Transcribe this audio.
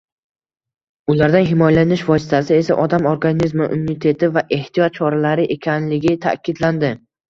Ulardan himoyalanish vositasi esa — odam organizmi immuniteti va ehtiyot choralari ekanligi ta’kidlandi.